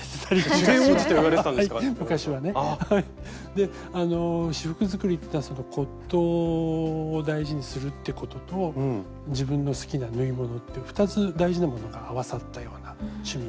であの仕覆作りっていうのは骨とうを大事にするってことと自分の好きな縫い物っていう２つ大事なものが合わさったような趣味で。